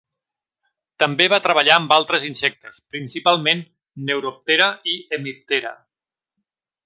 També va treballar amb altres insectes, principalment Neuroptera i Hemiptera.